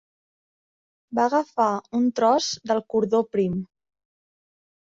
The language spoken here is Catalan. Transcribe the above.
Va agafar un tros del cordó prim.